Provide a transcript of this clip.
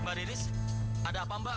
mbak rinis ada apa mbak